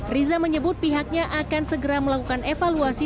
riza menyebut pihaknya akan segera melakukan evaluasi